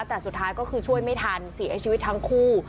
แต่สุดท้ายก็คือช่วยไม่ทันเสียชีวิตทั้งคู่